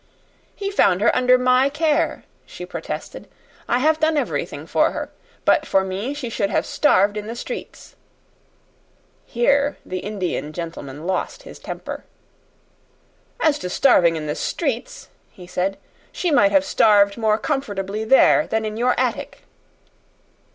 "He found her under my care," she protested. "I have done everything for her. But for me she should have starved in the streets." Here the Indian gentleman lost his temper. "As to starving in the streets," he said, "she might have starved more comfortably there than in your attic."